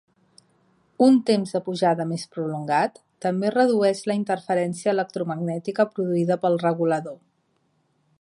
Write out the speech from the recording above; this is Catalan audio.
Un temps de pujada més prolongat també redueix la interferència electromagnètica produïda pel regulador.